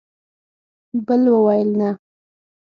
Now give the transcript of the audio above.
بل وویل: نه!